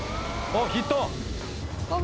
「あっヒット！」